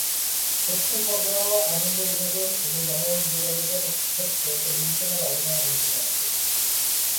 তথ্য সরবরাহ, আনন্দ-বিনোদন এবং গণযোগাযোগের ক্ষেত্রে টেলিভিশনের অবদান অনস্বীকার্য।